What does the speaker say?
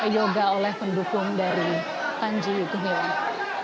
yoga oleh pendukung dari panji gumilang